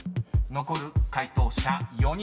［残る解答者４人です］